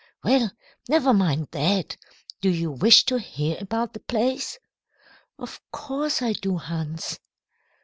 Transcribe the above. "Well, never mind that. Do you wish to hear about the palace?" "Of course I do, Hans."